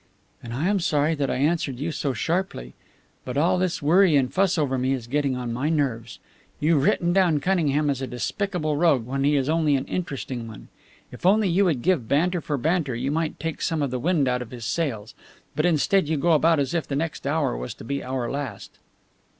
"And I am sorry that I answered you so sharply. But all this worry and fuss over me is getting on my nerves. You've written down Cunningham as a despicable rogue, when he is only an interesting one. If only you would give banter for banter, you might take some of the wind out of his sails. But instead you go about as if the next hour was to be our last!"